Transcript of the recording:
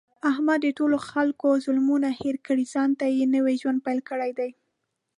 احمد د ټولو خلکو ظلمونه هېر کړي، ځانته یې نوی ژوند پیل کړی دی.